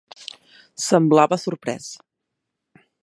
Semblava sorprès.